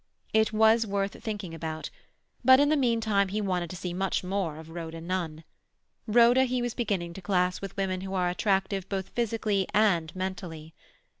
It was worth thinking about, but in the meantime he wanted to see much more of Rhoda Nunn. Rhoda he was beginning to class with women who are attractive both physically and mentally.